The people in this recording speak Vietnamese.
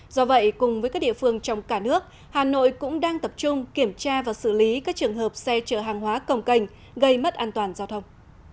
do vậy cùng với các địa phương trong cả nước hà nội cũng đang tập trung kiểm tra và xử lý các trường hợp xe chở hàng hóa cồng cành gây mất an toàn giao thông